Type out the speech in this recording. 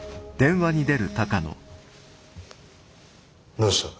どうした。